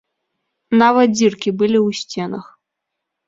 Нават дзіркі былі ў сценах.